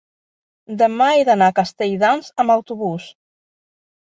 demà he d'anar a Castelldans amb autobús.